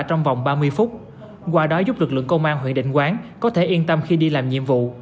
trong vòng ba mươi phút qua đó giúp lực lượng công an huyện định quán có thể yên tâm khi đi làm nhiệm vụ